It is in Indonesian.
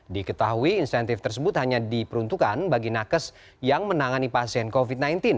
diketahui insentif tersebut hanya diperuntukkan bagi nakes yang menangani pasien covid sembilan belas